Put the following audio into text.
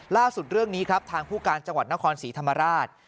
เรื่องนี้ครับทางผู้การจังหวัดนครศรีธรรมราช